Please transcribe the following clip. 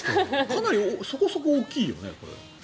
かなりそこそこ大きいよね。